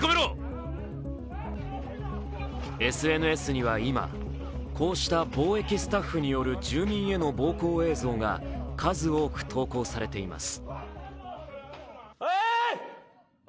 ＳＮＳには今こうした防疫スタッフによる住民への暴行映像が数多く投稿されています。